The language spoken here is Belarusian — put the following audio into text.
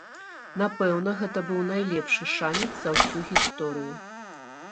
Напэўна, гэта быў найлепшы шанец за ўсю гісторыю.